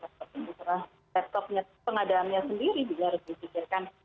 tentu setelah laptopnya pengadaannya sendiri juga harus disediakan